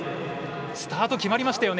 スタート決まりましたよね。